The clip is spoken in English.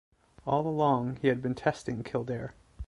All along, he had been testing Kildare.